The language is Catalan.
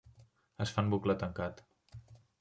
Es fa en bucle tancat.